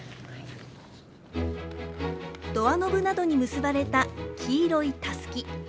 ドアノブなどに結ばれた黄色いたすき。